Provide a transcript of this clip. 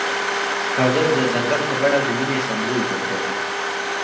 هغه د ځنګل په بڼه د مینې سمبول جوړ کړ.